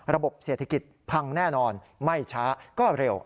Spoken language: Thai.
ระบบเศรษฐกิจพังแน่นอนไม่ช้าก็เร็ว